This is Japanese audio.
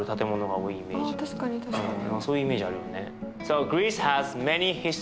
そういうイメージあるよね。